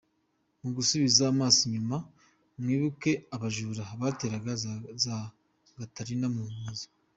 Musubize amaso inyuma mwibuke abajura bateraga za gatarina mu mazu.